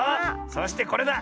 そしてこれだ。